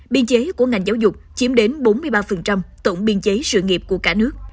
biên chế của ngành giáo dục chiếm đến bốn mươi ba tổng biên chế sự nghiệp của cả nước